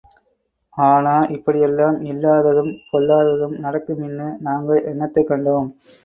ஆனா, இப்படியெல்லாம் இல்லாததும் பொல்லாதும் நடக்குமின்னு நாங்க என்னத்தைக் கண்டோம்?